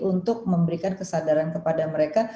untuk memberikan kesadaran kepada mereka